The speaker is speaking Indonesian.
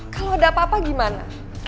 kalau ada apa apa gimana